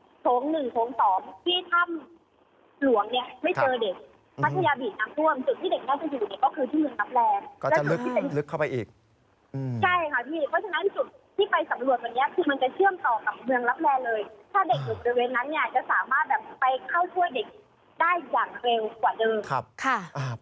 ถ้าเด็กอยู่บริเวณนั้นเนี่ยจะสามารถไปเข้าช่วยเด็กได้อย่างเร็วกว่าเดิม